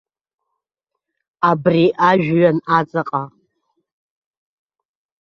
Абри ажәҩан аҵаҟа.